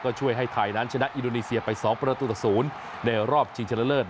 ก็ช่วยให้ไทยนั้นชนะอินโดนีเซียไป๒ประตูต่อ๐ในรอบชิงชนะเลิศ